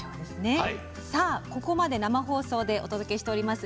ここまで生放送でお届けしております